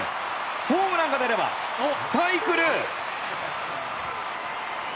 ホームランが出れば、サイクル！